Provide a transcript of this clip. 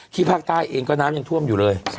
ภาคใต้เองก็น้ำยังท่วมอยู่เลย